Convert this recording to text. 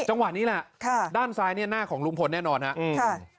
จังหวะนี้แหละด้านซ้ายเนี่ยหน้าของลุงพลแน่นอนครับ